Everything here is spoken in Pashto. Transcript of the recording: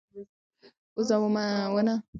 اوس دا ونه زما د هیلو په څېر وچه ولاړه ده.